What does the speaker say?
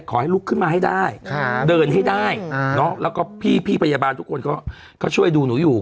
ขอให้ลุกขึ้นมาให้ได้เดินให้ได้แล้วก็พี่พยาบาลทุกคนก็ช่วยดูหนูอยู่